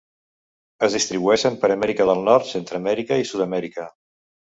Es distribueixen per Amèrica del Nord, Centreamèrica i Sud-amèrica.